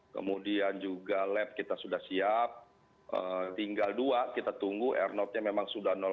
kemudian juga lab kita sudah siap tinggal dua kita tunggu r nya memang sudah sembilan puluh delapan